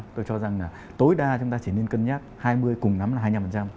tôi cho rằng tối đa chúng ta chỉ nên cân nhắc hai mươi cùng nắm là hai mươi năm